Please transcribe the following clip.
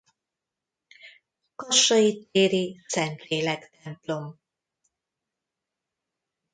Kassai téri Szentlélek templom.